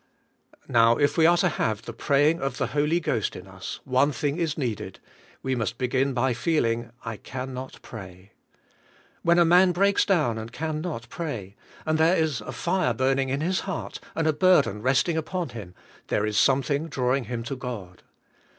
Now if we are to have the praying of the Holy Ghost in us one thing is needed; we must begin by feeling, " I can not pray.'' When a man breaks down and can not pray, and there is a fire burning in his heart, and a burden resting upon him, there is something drawing him to God."